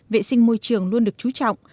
vệ sinh môi trường luôn được trú trọng